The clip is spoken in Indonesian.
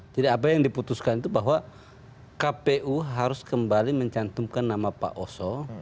jadi apa yang diputuskan itu bahwa kpu harus kembali mencantumkan nama pak oso